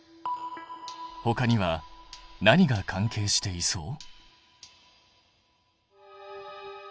ほかには何が関係していそう？